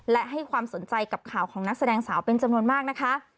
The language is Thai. และให้ความสนใจกับข่าวของนักแสดงสาวเป็นจำนวนมากนะคะ